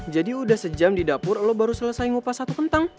jadi udah sejam di dapur lo baru selesai ngupas satu kentang